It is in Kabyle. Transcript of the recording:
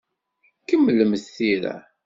Kemmlemt tira.